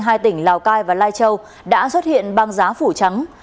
hai tỉnh lào cai và lai châu đã xuất hiện băng giá phủ trắng